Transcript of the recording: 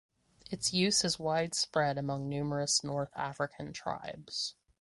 Its use is widespread among numerous North African tribes.